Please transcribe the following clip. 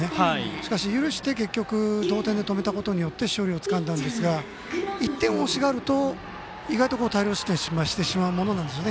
しかし、許して、結局同点で止めたことによって勝利をつかんだんですが１点を惜しがると意外と大量失点してしまうものなんですね。